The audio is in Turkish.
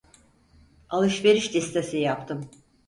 Alışveriş listesi yaptım.